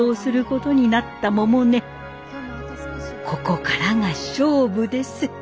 ここからが勝負です。